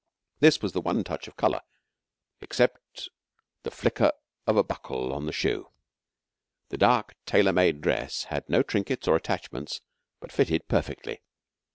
This was the one touch of colour except the flicker of a buckle on the shoe. The dark, tailor made dress had no trinkets or attachments, but fitted perfectly.